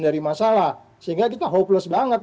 dari masalah sehingga kita hopeless banget